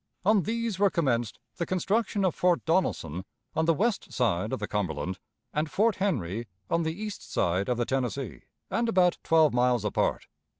On these were commenced the construction of Fort Donelson on the west side of the Cumberland, and Fort Henry on the east side of the Tennessee, and about twelve miles apart.